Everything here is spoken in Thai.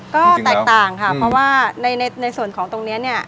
ก็แตกต่างค่ะเพราะว่าในส่วนของตรงนี้เนี่ย